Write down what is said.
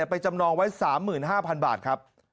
ไปจำนองไว้๓๕๐๐๐บาทครับ